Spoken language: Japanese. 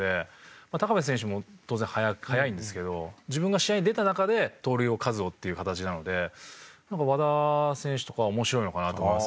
まあ部選手も当然速いんですけど自分が試合に出た中で盗塁を数をっていう形なのでなんか和田選手とかは面白いのかなと思いますね